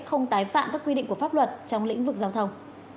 không tái phạm các quy định của pháp luật trong lĩnh vực giao thông